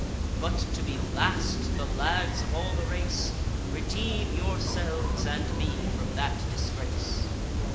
But to be last, the lags of all the race! Redeem yourselves and me from that disgrace."